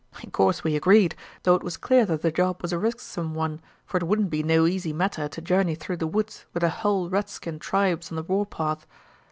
"In course we agreed, though it was clear that the job was a risksome one, for it wouldn't be no easy matter to journey through the woods with the hull redskin tribes on the war path.